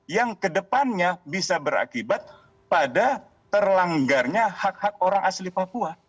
yang kedepannya bisa berakibat pada terlanggarnya hak hak orang asli papua